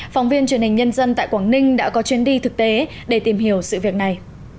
phóng viên truyền hình nhân dân tại quảng ninh đã có chuyến đi thực tế để tìm hiểu sự việc này